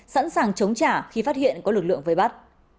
sẵn sàng chống trả khi phát hiện có lực lượng vây bắt